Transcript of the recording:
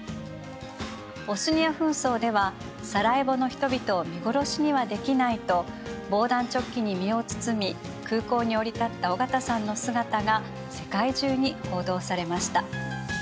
ボスニア紛争ではサラエボの人々を見殺しにはできないと防弾チョッキに身を包み空港に降り立った緒方さんの姿が世界中に報道されました。